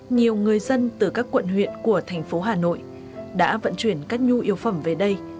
nhiều người dân từ các quận huyện của thành phố hà nội đã vận chuyển các nhu yếu phẩm về đây